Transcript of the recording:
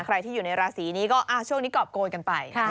ใครที่อยู่ในราศีนี้ก็ช่วงนี้กรอบโกยกันไป